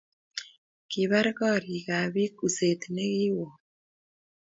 Kipar korik ab pik uset nekiwon